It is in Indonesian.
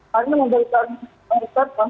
hanya membuat saya meresetkan